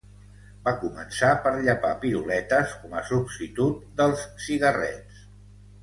Va començar per llepar piruletes com a substitut dels cigarrets.